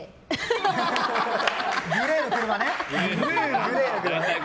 グレーの車ね。